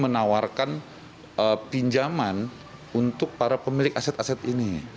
menawarkan pinjaman untuk para pemilik aset aset ini